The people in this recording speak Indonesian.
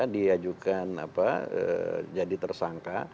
diajukan jadi tersangka